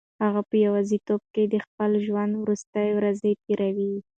هغه په یوازیتوب کې د خپل ژوند وروستۍ ورځې تېروي.